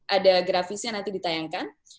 ada grafisnya nanti ditayangkan